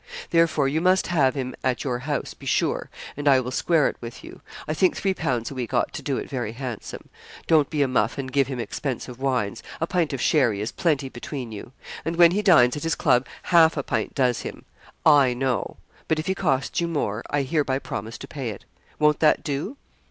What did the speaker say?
Therefore you must have him at your house be sure and I will square it with you; I think three pounds a week ought to do it very handsome. Don't be a muff and give him expensive wines a pint of sherry is plenty between you; and when he dines at his club half a pint does him. I know; but if he costs you more, I hereby promise to pay it. Won't that do?